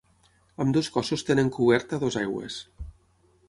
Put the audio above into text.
Ambdós cossos tenen coberta a dues aigües.